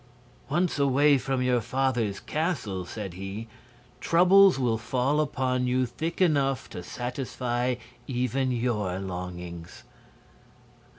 "'Once away from your father's castle,' said he, 'troubles will fall upon you thick enough to satisfy even your longings.'